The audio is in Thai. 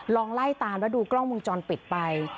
ลองไล่ตามแล้วดูกล้องวงจรปิดไป